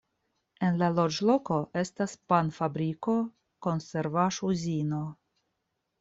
En la loĝloko estas pan-fabriko, konservaĵ-uzino.